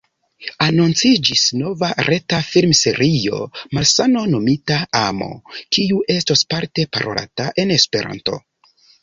Anonciĝis nova reta filmserio, “Malsano Nomita Amo”, kiu estos parte parolata en Esperanto.